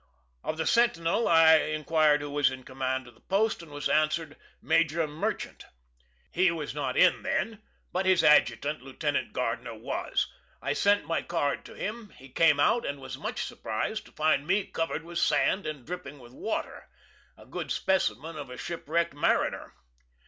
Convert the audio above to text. Of the sentinel I inquired who was in command of the post, and was answered, "Major Merchant." He was not then in, but his adjutant, Lieutenant Gardner, was. I sent my card to him; he came out, and was much surprised to find me covered with sand, and dripping with water, a good specimen of a shipwrecked mariner.